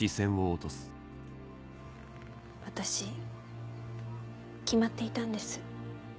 私決まっていたんです